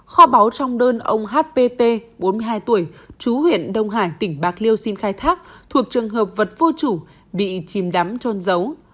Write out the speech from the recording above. kho báu trong đơn ông hpt bốn mươi hai tuổi chú huyện đông hải tỉnh bạc liêu xin khai thác thuộc trường hợp vật vô chủ bị chìm đắm trôn giấu